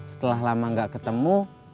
setelah lama gak ketemu